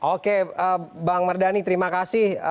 oke bang mardhani terima kasih